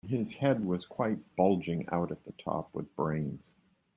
His head was quite bulging out at the top with brains.